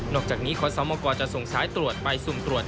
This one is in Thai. อกจากนี้ขอสมกรจะส่งสายตรวจไปสุ่มตรวจ